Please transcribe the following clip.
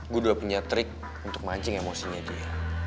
gue udah punya trik untuk mancing emosinya dia